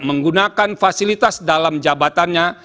menggunakan fasilitas dalam jabatannya